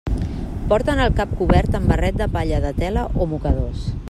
Porten el cap cobert amb barret de palla de tela o mocadors.